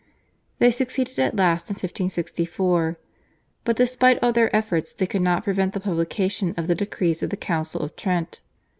They succeeded at last in 1564, but despite all their efforts they could not prevent the publication of the decrees of the Council of Trent.